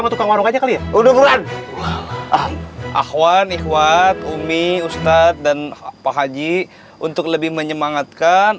sama tukang warung aja kali ya udah bukan ahwan ikhwat umi ustadz dan pak haji untuk lebih menyemangatkan